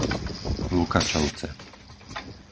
Lukačovce